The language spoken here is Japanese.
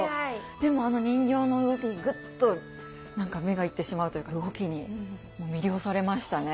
でもあの人形の動きにグッと何か目がいってしまうというか動きに魅了されましたね。